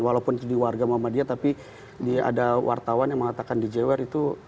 walaupun di warga muhammadiyah tapi ada wartawan yang mengatakan di jewer itu